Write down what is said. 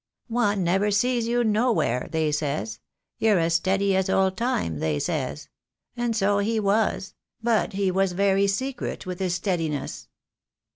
'One never sees you nowhere,' they says. 'You're as steady as Old Time/ they says. And so he was; but he was very secret with his steadiness."